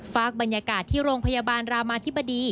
ฝากบรรยากาศที่โรงพยาบาลรามาธิบดี